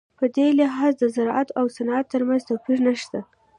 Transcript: په دې لحاظ د زراعت او صنعت ترمنځ توپیر نشته.